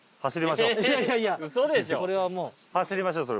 走りましょうそれ。